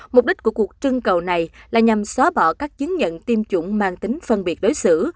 mục đích của cuộc trưng cầu này là nhằm xóa bỏ các chứng nhận tiêm chủng mang tính phân biệt đối xử